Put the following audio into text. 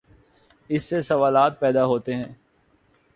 اس سے سوالات پیدا ہوتے ہیں۔